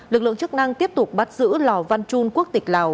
lực lượng chức năng tiếp tục bắt giữ lò văn trung quốc tịch lào